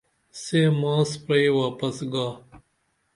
سے ماس پرئی واپس گا